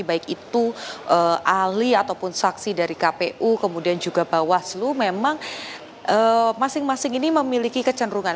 baik itu ahli ataupun saksi dari kpu kemudian juga bawaslu memang masing masing ini memiliki kecenderungan